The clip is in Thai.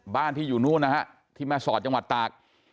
บ้านที่อยู่นู้นนะฮะที่แม่สอดจังหวัดตาก